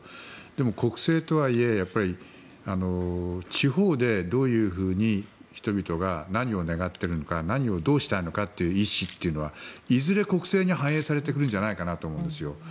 でも国政とはいえ地方でどういうふうに人々が何を願っているのか何をどうしたいのかという意思というのはいずれ国政に反映されてくるんじゃないかなと思うんですよ。